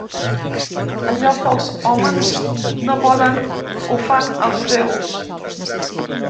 Allò que els hòmens no poden ho fan els deus.